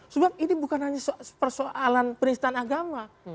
sebab ini bukan hanya persoalan penistaan agama